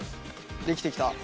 できてきた。